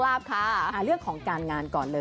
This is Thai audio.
อย่างแรกเลยก็คือการทำบุญเกี่ยวกับเรื่องของพวกการเงินโชคลาภ